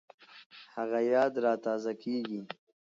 هغه یاد را تازه کېږي